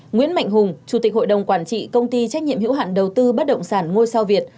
nguyễn mạnh hùng chủ tịch hội đồng quản trị công ty trách nhiệm hữu hạn đầu tư bất động sản ngôi sao việt